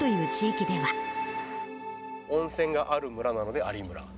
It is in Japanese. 温泉がある村なので、有村。